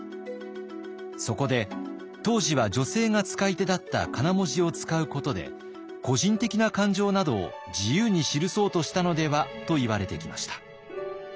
そこで当時は女性が使い手だったかな文字を使うことで個人的な感情などを自由に記そうとしたのではといわれてきました。